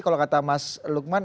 kalau kata mas lukman